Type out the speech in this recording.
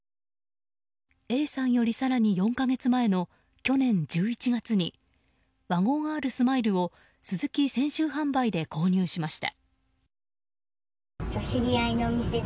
Ａさんより更に４か月前の去年１１月にワゴンＲスマイルをスズキ泉州販売で購入しました。